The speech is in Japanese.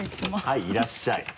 はいいらっしゃい。